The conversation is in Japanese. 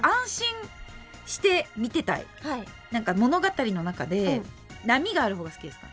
何か物語の中で波があるほうが好きですか？